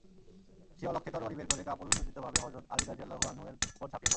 সে অলক্ষ্যে তরবারি বের করে কাপুরুষোচিতভাবে হযরত আলী রাযিয়াল্লাহু আনহু-এর উপর ঝাঁপিয়ে পড়ে।